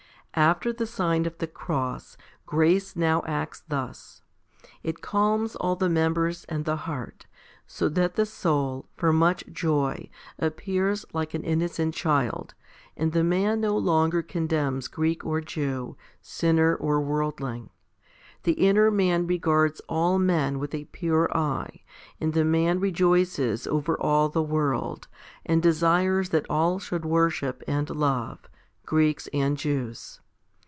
After the sign of the cross, 1 grace now acts thus. It calms all the members and the heart, so that the soul, for much joy, appears like an innocent child, and the man no longer condemns Greek or Jew, sinner or worldling. The inner man regards all men with a pure eye, and the man rejoices over all the world, and desires that all should worship and love, Greeks and Jews.